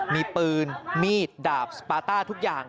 มีปืนมีดดาบสปาต้าทุกอย่าง